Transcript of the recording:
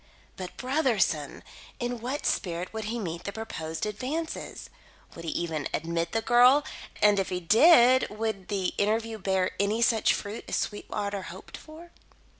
But Brotherson! In what spirit would he meet the proposed advances? Would he even admit the girl, and, if he did, would the interview bear any such fruit as Sweetwater hoped for?